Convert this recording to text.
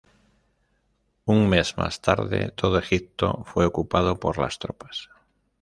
Un mes más tarde todo Egipto fue ocupado por las tropas.